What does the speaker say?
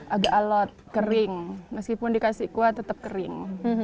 agak alot kering meskipun dikasih kuah tetap kering